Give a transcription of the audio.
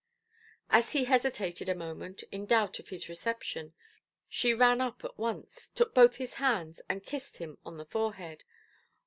As he hesitated a moment, in doubt of his reception, she ran up at once, took both his hands, and kissed him on the forehead.